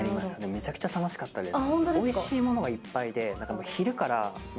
めちゃくちゃ楽しかったです。